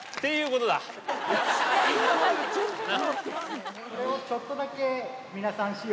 これをちょっとだけ、皆さん